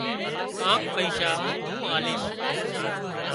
ڪانڪ پئيشا مُون آليش